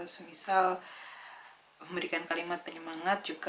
semisal memberikan kalimat penyemangat juga